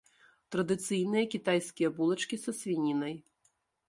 Традыцыйныя кітайскія булачкі са свінінай.